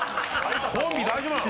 コンビ大丈夫なの？